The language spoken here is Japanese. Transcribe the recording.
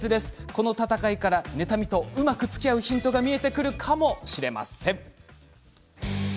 この戦いから妬みとうまく戦うヒントが見えてくるかもしれません。